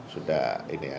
sudah ini ya